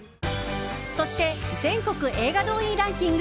そして全国映画動員ランキング